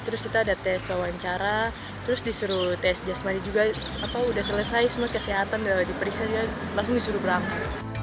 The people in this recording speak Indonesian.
terus kita ada tes wawancara terus disuruh tes jasmani juga sudah selesai semua kesehatan udah diperiksa juga langsung disuruh berangkat